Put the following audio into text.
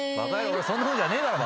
俺そんなふうじゃねえだろ。